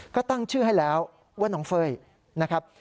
ก็ตั้งชื่อให้แล้วว่าน้องเฟ่ยนะครับ